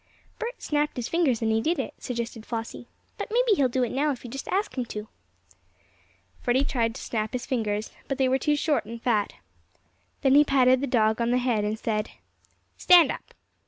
"Bert snapped his fingers and he did it," suggested Flossie. "But maybe he'll do it now if you just ask him to." Freddie tried to snap his fingers, but they were too short and fat. Then he patted the dog an the head and said: "Stand up!"